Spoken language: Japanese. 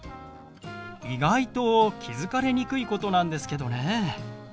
意外と気付かれにくいことなんですけどね。